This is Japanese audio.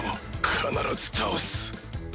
必ず倒す！